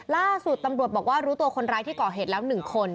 ล่าสุดตำรวจบอกว่ารู้ตัวคนร้ายที่ก่อเหตุแล้ว๑คน